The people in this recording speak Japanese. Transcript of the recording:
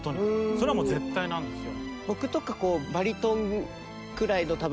それはもう絶対なんですよ。